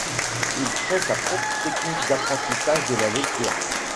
Il créé sa propre technique d'apprentissage de la lecture.